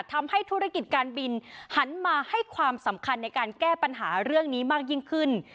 ทำให้ธุรกิจการบินหันมาให้ความสำคัญในการแก้ปัญหาเรื่องนี้มากยิ่งขึ้น